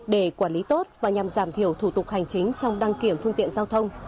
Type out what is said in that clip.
để quản lý tốt và nhằm giảm thiểu thủ tục hành chính trong đăng kiểm phương tiện giao thông